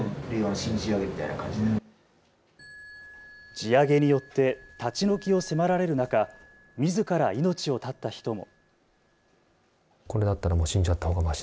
地上げによって立ち退きを迫られる中、みずから命を絶った人も。